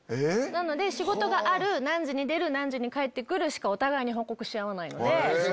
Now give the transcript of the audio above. なので仕事がある何時に出る何時に帰ってくる！しかお互いに報告し合わないので。